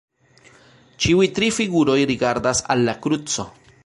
Ĉiuj tri figuroj rigardas al la kruco.